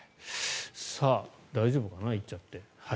大丈夫かな行っちゃって。